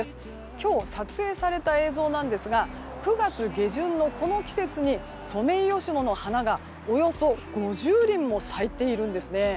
今日撮影された映像なんですが９月下旬のこの季節にソメイヨシノの花がおよそ５０輪も咲いているんですね。